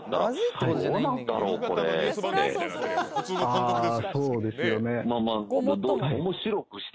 あそうですよね。